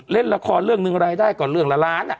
เล่นละครเรื่องหนึ่งอะไรได้ก่อนเรื่องละล้านเนี้ย